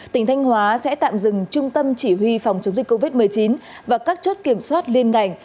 tỉnh thanh hóa sẽ tạm dừng trung tâm chỉ huy phòng chống dịch covid một mươi chín và các chốt kiểm soát liên ngành